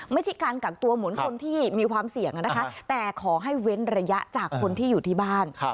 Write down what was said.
ไม่ใช่การกักตัวเหมือนคนที่มีความเสี่ยงนะคะแต่ขอให้เว้นระยะจากคนที่อยู่ที่บ้าน